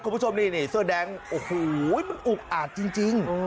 คุณผู้ชมนี่เสื้อแดงโอ้โหมันอุกอาจจริง